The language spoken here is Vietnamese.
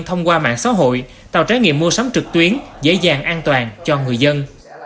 thông qua mạng xã hội tạo trái nghiệm mua sắm trực tuyến dễ dàng an toàn cho người dân